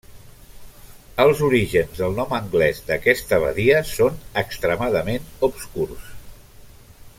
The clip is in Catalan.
Els orígens del nom anglès d'aquesta badia són extremadament obscurs.